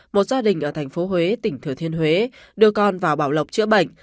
một gia đình ở tp huế tỉnh thừa thiên huế đưa con vào bảo lộc chữa bệnh